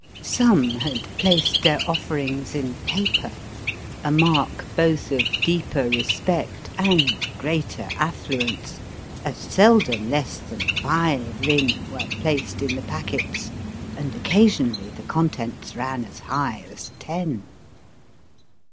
Some had placed their offerings in paper, a mark both of deeper respect and greater affluence, as seldom less than five rin were placed in the packets, and occasionally the contents ran as high as ten.